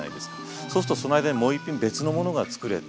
そうするとその間にもう１品別のものが作れて。